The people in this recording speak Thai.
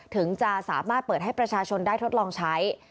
ถึงจะสามารถเปิดให้ประชาชนได้ทดลองใช้